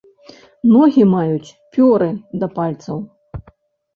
Ногі маюць пёры да пальцаў.